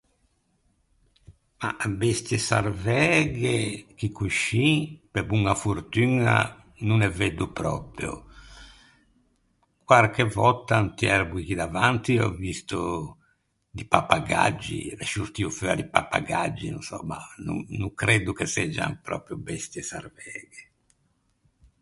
Mah, bestie sarvæghe, chì coscì, pe boña fortuña no ne veddo pròpio, quarche vòtta inti erboi chì davanti ò visto di pappagaggi, l’é sciortio feua di pappagaggi, no sò, ma no no creddo che seggian pròpio bestie sarvæghe.